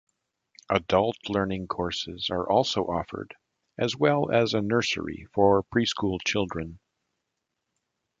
Adult learning courses are also offered, as well as a nursery for preschool children.